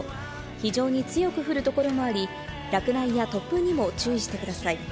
非常に強く降るところもあり、落雷や突風にも注意してください。